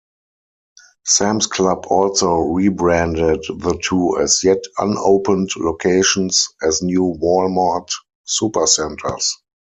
Sam's Club also rebranded the two as yet unopened locations as new Walmart Supercentres.